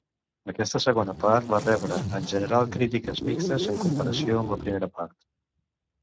Aquesta segona part va rebre, en general, crítiques mixtes en comparació amb la primera part.